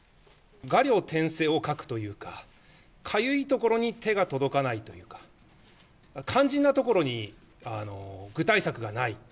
画竜点睛を欠くというか、かゆいところに手が届かないというか、肝心なところに具体策がない。